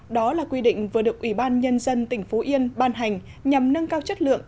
đó là quy định vừa được ủy ban nhân dân tỉnh phú yên ban hành nhằm nâng cao chất lượng